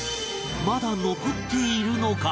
まだ残っているのか？